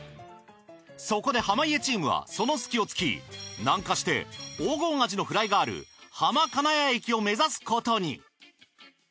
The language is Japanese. そこで濱家チームはその隙をつき南下して黄金アジのフライがある浜金谷駅を目指すことに。